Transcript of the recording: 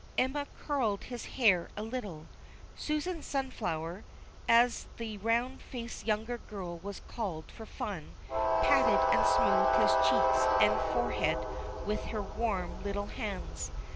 Elma curled his hair a little. Susan Sunflower, as the round faced younger girl was called for fun, patted and smoothed his cheeks and forehead with her warm little hands.